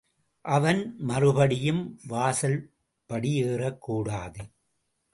அவன் மறுபடியும் இந்த வாசல்படி ஏறக்கூடாது.